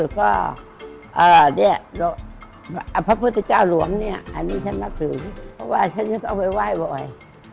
เพราะว่าฉันจะต้องไปไหว้บ่อย